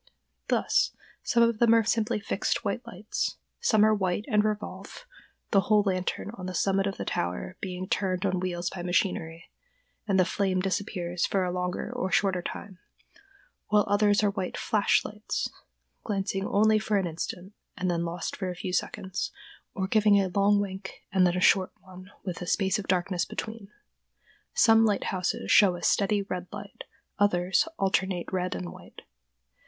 Thus some of them are simply fixed white lights; some are white and revolve—the whole lantern on the summit of the tower being turned on wheels by machinery, and the flame disappears for a longer or shorter time; while others are white "flash" lights, glancing only for an instant, and then lost for a few seconds, or giving a long wink and then a short one with a space of darkness between. Some lighthouses show a steady red light; others, alternate red and white.